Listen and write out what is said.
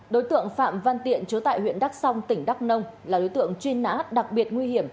đối tượng phạm văn tiện chứa tại huyện đắc song tỉnh đắc nông là đối tượng chuyên nã đặc biệt nguy hiểm